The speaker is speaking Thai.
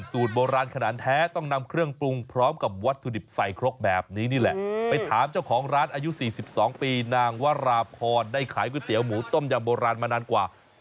สูตรโบราณขนาดแท้ต้องนำเครื่องปรุงพร้อมกับวัตถุดิบใส่ครกแบบนี้แล้ว